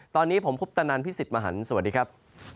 ตอนนี้ผมคุปตนันพี่สิทธิ์มหันฯสวัสดีครับ